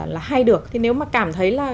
là hay được thì nếu mà cảm thấy là